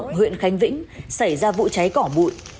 ở xã khánh thượng huyện khánh vĩnh xảy ra vụ cháy cỏ bụi